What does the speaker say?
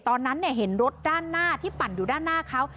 ตอนนั้นเห็นรถด้านหน้าที่ปั่นอยู่ด้านหน้าเขา